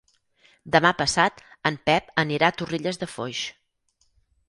Demà passat en Pep anirà a Torrelles de Foix.